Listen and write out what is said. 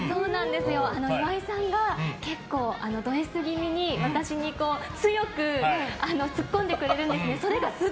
岩井さんが結構ドＳ気味に私に強くツッコんでくれるんですね。